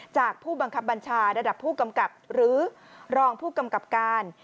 ผู้บังคับบัญชาระดับผู้กำกับหรือรองผู้กำกับการ